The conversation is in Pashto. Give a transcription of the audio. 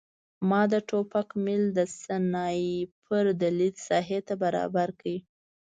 ما د ټوپک میل د سنایپر د لید ساحې ته برابر کړ